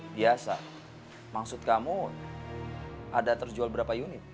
biasa maksud kamu ada terjual berapa unit